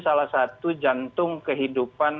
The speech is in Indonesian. salah satu jantung kehidupan